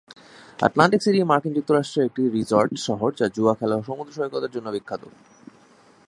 Atlantic City মার্কিন যুক্তরাষ্ট্রের একটি রিসোর্ট শহর যা জুয়া খেলা ও সমুদ্র সৈকতের জন্য বিখ্যাত।